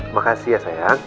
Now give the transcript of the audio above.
makasih ya sayang